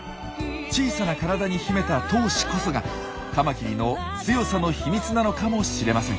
小さな体に秘めた闘志こそがカマキリの強さの秘密なのかもしれません。